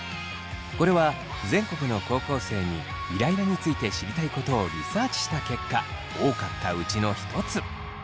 これは全国の高校生にイライラについて知りたいことをリサーチした結果多かったうちの一つ。